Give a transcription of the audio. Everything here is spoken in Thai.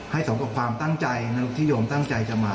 ให้สมกับความตั้งใจนรกฐิโยมตั้งใจจะมา